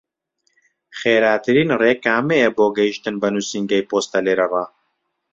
خێراترین ڕێ کامەیە بۆ گەیشتن بە نووسینگەی پۆستە لێرەڕا؟